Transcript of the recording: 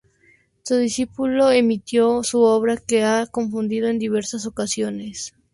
Su discípulo imitó su obra que se ha confundido en diversas ocasiones.